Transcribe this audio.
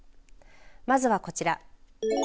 まずはこちら。